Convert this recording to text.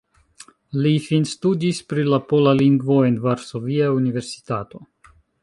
Li finstudis pri la pola lingvo en Varsovia Universitato.